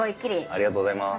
ありがとうございます。